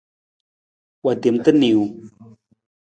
I tem ta niiwung.